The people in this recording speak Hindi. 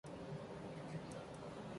केंद्रीय मंत्री वीरभद्र सिंह ने इस्तीफा दिया